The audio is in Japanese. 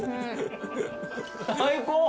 最高。